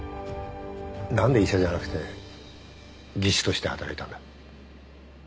何で医者じゃなくて技師として働いたんだ？